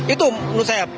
itu menurut saya